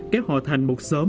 kéo họ thành một xóm